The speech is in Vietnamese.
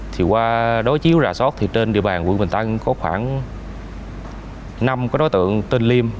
thì qua đối chiếu rà sót thì trên địa bàn quận bình tân có khoảng năm đối tượng tên liêm